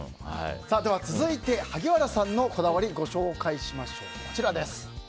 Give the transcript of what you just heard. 続いて萩原さんのこだわりをご紹介します。